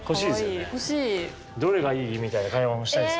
「どれがいい？」みたいな会話もしたいです。